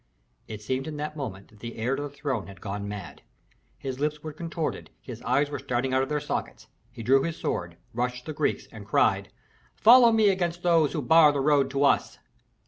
It seemed in that moment that the heir to the throne had gone mad. His lips were contorted, his eyes were starting out of their sockets. He drew his sword, rushed to the Greeks, and cried, "Follow me against those who bar the road to us."